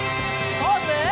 ポーズ！